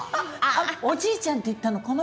「おじいちゃん」って言ったのこの子？